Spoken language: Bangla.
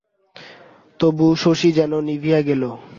তবু শশী যেন নিভিয়া গেল।